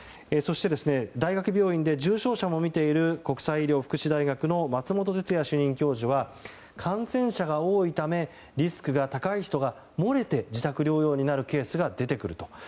そして、大学病院で重症者も診ている国際医療福祉大学の松本哲哉主任教授は感染者が多いためリスクが高い人が漏れて自宅療養になるケースが出てくると。